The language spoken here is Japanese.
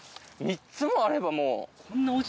３つもあればもう。